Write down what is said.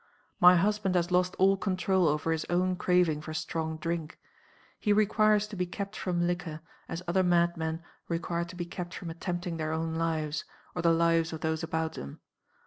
My husband has lost all control over his own craving for strong drink. He requires to be kept from liquor, as other madmen require to be kept from attempting their own lives, or the lives of those about them.